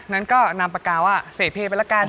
นั้นก็นำประกาวเสพเพไปละกัน